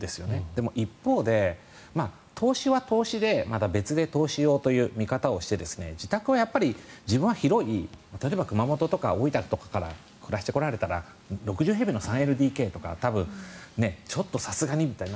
でも一方で、投資は投資でまた別で投資用という見方をして自宅は自分は広い例えば熊本とか大分で暮らしてこられたら６０平米の３ＬＤＫとかちょっとさすがにって。